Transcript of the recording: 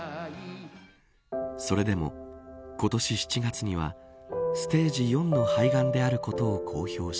それでも、今年７月にはステージ４の肺がんであることを公表し。